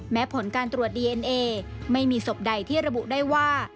ผลการตรวจดีเอ็นเอไม่มีศพใดที่ระบุได้ว่า